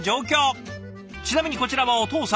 ちなみにこちらはお父さんのお弁当。